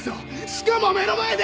しかも目の前で‼